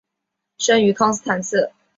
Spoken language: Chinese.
生于康斯坦茨。